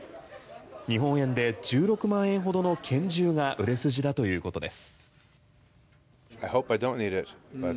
日本円で１６万円ほどの拳銃が売れ筋だということです。